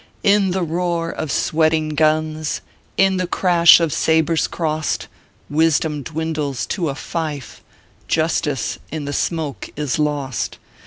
"In the roar of sweating guns, In the crash of sabres crossed, "Wisdom dwindles to a fife, Justice in the smoke is lost.